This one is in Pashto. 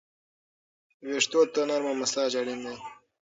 ویښتو ته نرمه مساج اړین دی.